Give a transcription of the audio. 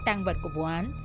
tăng vật của vụ án